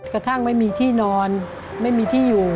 กระทั่งไม่มีที่นอนไม่มีที่อยู่